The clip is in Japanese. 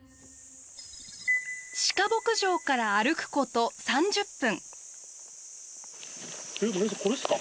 鹿牧場から歩くこと３０分。